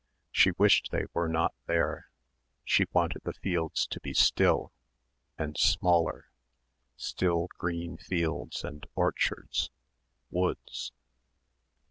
She wished they were not there. She wanted the fields to be still and smaller. Still green fields and orchards ... woods....